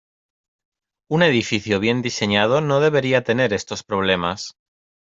Un edificio bien diseñado no debería tener estos problemas.